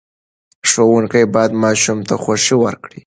ښوونکي باید ماشوم ته خوښۍ ورکړي.